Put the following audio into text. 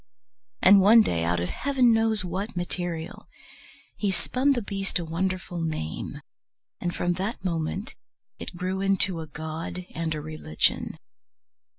And one day, out of Heaven knows what material, he spun the beast a wonderful name, and from that moment it grew into a god and a religion.